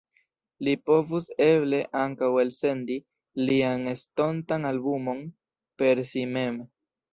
Li povus eble ankaŭ elsendi lian estontan albumon per si mem.